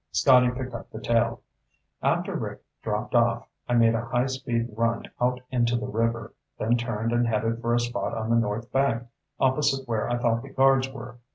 Scotty picked up the tale. "After Rick dropped off, I made a high speed run out into the river, then turned and headed for a spot on the north bank opposite where I thought the guards were.